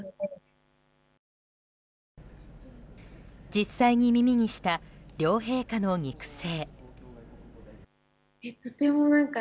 実際に耳にした両陛下の肉声。